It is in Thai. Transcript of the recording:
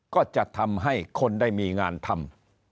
ก็จะทำให้คนได้มีงานทำ